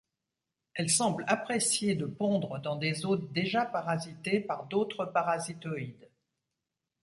Elle semble apprécier de pondre dans des hôtes déjà parasités par d’autres parasitoïde.